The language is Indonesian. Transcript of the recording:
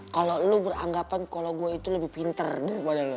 kalau lo beranggapan kalau gue itu lebih pinter dulu